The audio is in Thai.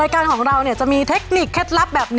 เค้าเรียกแขก